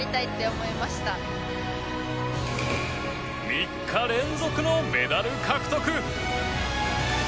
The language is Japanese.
３日連続のメダル獲得。